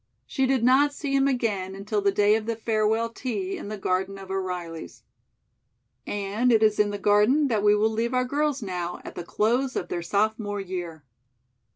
She did not see him again until the day of the farewell tea in the garden of O'Reilly's. And it is in the garden that we will leave our girls now, at the close of their sophomore year.